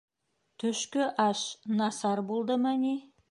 Төшкө аш насар булдымы ни?